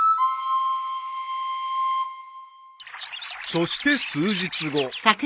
［そして数日後］